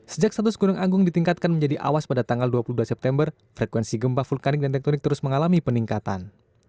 sejak status gunung agung ditingkatkan menjadi awas pada tanggal dua puluh dua september frekuensi gempa vulkanik dan tektonik terus mengalami peningkatan